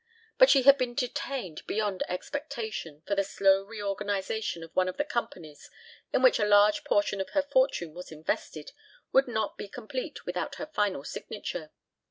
But she had been detained beyond expectation, for the slow reorganization of one of the companies in which a large portion of her fortune was invested would not be complete without her final signature.